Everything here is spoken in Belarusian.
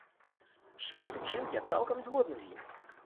Шмат у чым я цалкам згодны з ім.